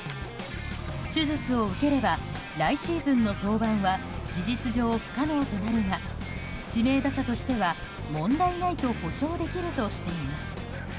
手術を受ければ来シーズンの登板は事実上、不可能となるが指名打者としては問題ないと保証できるとしています。